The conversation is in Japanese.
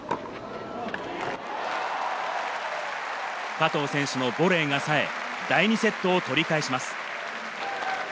加藤選手のボレーが冴え、第２セットを取り返します。